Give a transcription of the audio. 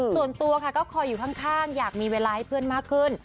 ส่วนตัวค่ะก็คอยอยู่ข้างอยากมีเวลาให้เพื่อนมากขึ้น